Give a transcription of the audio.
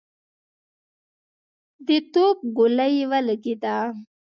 د توپ ګولۍ ولګېده.